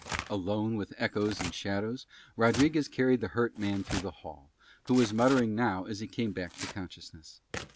Alone with echoes and shadows Rodriguez carried the hurt man through the hall, who was muttering now as he came back to consciousness.